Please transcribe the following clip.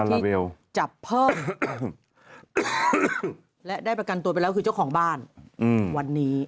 ที่จับเพิ่มและได้ประกันตัวไปแล้วคือเจ้าของบ้านวันนี้